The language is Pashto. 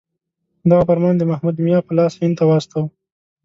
دغه فرمان د محمود میا په لاس هند ته واستاوه.